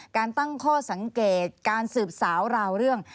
การตั้งข้อสังเกตการสืบสาวราวเรื่อง